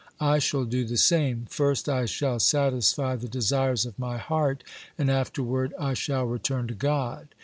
I shall do the same. First I shall satisfy the desires of my heart, and afterward I shall return to God."